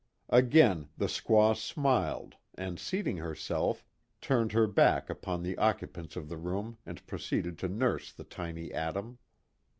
Again the squaw smiled and seating herself, turned her back upon the occupants of the room and proceeded to nurse the tiny atom.